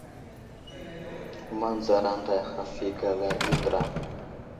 Manzar anday haf i gala i andra.